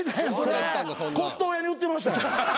骨とう屋に売ってました。